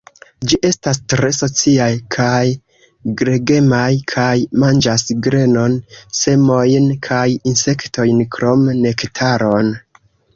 Ĝi estas tre sociaj kaj gregemaj kaj manĝas grenon, semojn kaj insektojn krom nektaron.